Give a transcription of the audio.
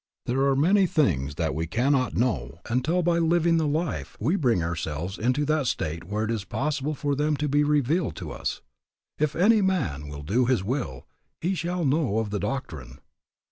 There are many things that we cannot know until by living the life we bring ourselves into that state where it is possible for them to be revealed to us. "If any man will do His will, he shall know of the doctrine."